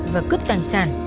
và cướp tài sản